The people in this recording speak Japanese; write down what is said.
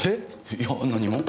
いや何も。